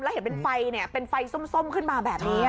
แล้วเห็นเป็นไฟเป็นไฟส้มขึ้นมาแบบนี้